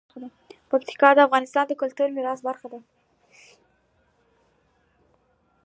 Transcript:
پکتیکا د افغانستان د کلتوري میراث برخه ده.